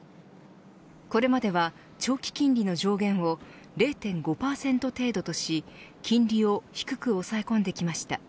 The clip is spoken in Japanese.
これまでは長期金利の上限を０．５％程度とし金利を低く抑え込んできました。